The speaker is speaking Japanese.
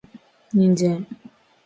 人参